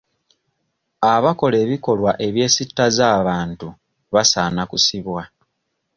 Abakola ebikolwa ebyesittaza abantu basaana kusibwa.